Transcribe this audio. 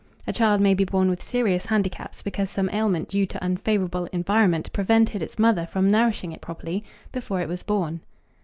A child may be born with serious handicaps because some ailment due to unfavorable environment prevented its mother from nourishing it properly before it was born.